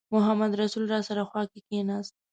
محمدرسول راسره خوا کې کېناست.